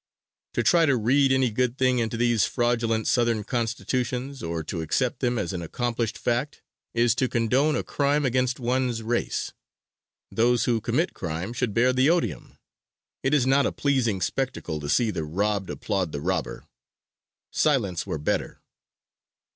To try to read any good thing into these fraudulent Southern constitutions, or to accept them as an accomplished fact, is to condone a crime against one's race. Those who commit crime should bear the odium. It is not a pleasing spectacle to see the robbed applaud the robber. Silence were better.